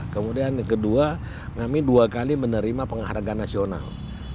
kemudian kedua kami dua kali menerima pengharga nasional